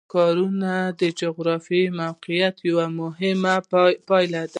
ښارونه د جغرافیایي موقیعت یوه مهمه پایله ده.